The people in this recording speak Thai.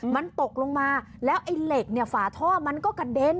มันตกลงมาแล้วไอ้เหล็กเนี่ยฝาท่อมันก็กระเด็น